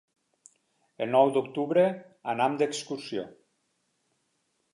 El nou d'octubre anam d'excursió.